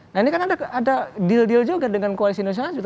nah ini kan ada deal deal juga dengan koalisi indonesia maju